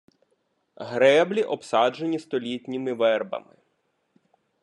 Греблі обсаджені столітніми вербами.